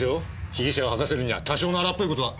被疑者を吐かせるには多少の荒っぽい事は。